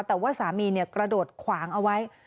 แต่ว่าสามีกระโดดขวางเอาไว้